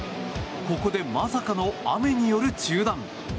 ここで、まさかの雨による中断。